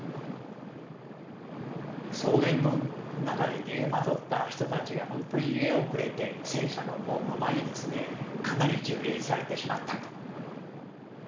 草原の中で逃げ惑った人たちが本当に逃げ遅れて戦車のままにですねかなり蹂躙されてしまったと。